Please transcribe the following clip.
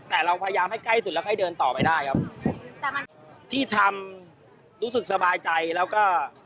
แต่เราพยายามให้ใกล้สุดแล้วค่อยเดินต่อไปได้ครับแต่มันที่ทำรู้สึกสบายใจแล้วก็